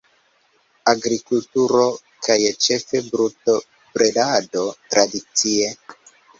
Agrikulturo kaj ĉefe brutobredado tradicie.